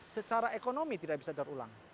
secara ekonomi tidak bisa didaur ulang